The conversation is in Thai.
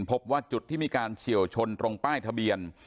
พบว่าจุดที่มีการเฉียวชนตรงป้ายทะเบียน